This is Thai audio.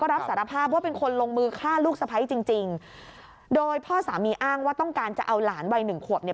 รับสารภาพว่าเป็นคนลงมือฆ่าลูกสะพ้ายจริงจริงโดยพ่อสามีอ้างว่าต้องการจะเอาหลานวัยหนึ่งขวบเนี่ย